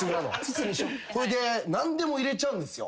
何でも入れちゃうんですよ。